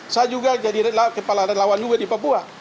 saya juga jadi kepala relawan juga di papua